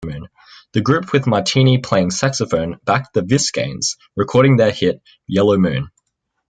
The group with Martini playing saxophone, backed the Viscaynes, recording their hit "Yellow Moon".